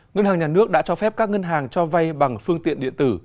ngân hàng nhà nước đã cho phép các ngân hàng cho vay bằng phương tiện điện tử